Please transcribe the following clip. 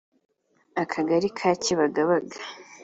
Akagali ka Kibagabaga